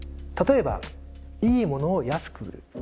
例えばいいものを安く売る。